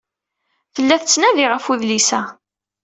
Tella tettnadi ɣef udlis-a.